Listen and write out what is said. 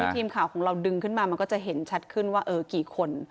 ทีมข่าวของเราดึงขึ้นมามันก็จะเห็นชัดขึ้นว่ากี่คน